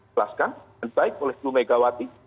telaskan dan baik oleh blu megawati